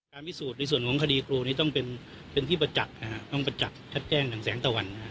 พิสูจน์ในส่วนของคดีครูนี้ต้องเป็นที่ประจักษ์ต้องประจักษ์ชัดแจ้งหนังแสงตะวันนะฮะ